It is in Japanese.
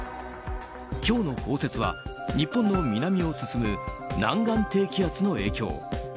今日の降雪は、日本の南を進む南岸低気圧の影響。